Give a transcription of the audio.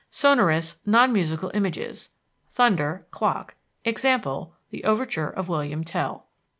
Sonorous, non musical images thunder, clock. Example, the overture of William Tell. "2.